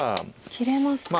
切れますか。